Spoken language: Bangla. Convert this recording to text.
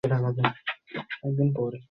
মা সবকিছু জানে।